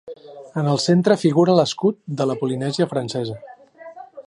En el centre figura l'escut de la Polinèsia Francesa.